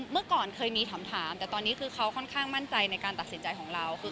คือถ้าไม่มีจริงมันมีวัยของมัน